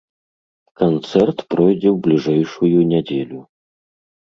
Канцэрт пройдзе ў бліжэйшую нядзелю.